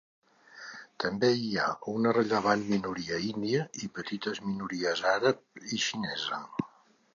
També hi ha una rellevant minoria índia i petites minories àrab i xinesa.